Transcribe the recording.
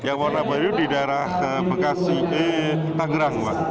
yang warna biru di daerah tangerang